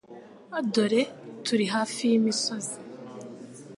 Dore turi Hafi y'imisozi